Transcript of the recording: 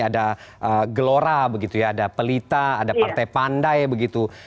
ada gelora begitu ya ada pelita ada partai pandai begitu